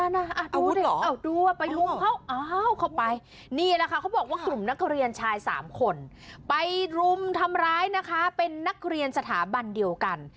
นี่แหละค่ะเขาบอกว่ากลุ่มนักเรียนชาย๓คนไปรุมทำร้ายเป็นนักเรียนสถาบันเดียวกัน